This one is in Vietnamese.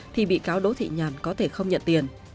thì bị cáo đỗ thị nhàn có thể không nhận tiền